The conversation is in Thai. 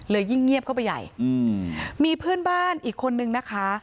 ยิ่งเงียบเข้าไปใหญ่อืมมีเพื่อนบ้านอีกคนนึงนะคะ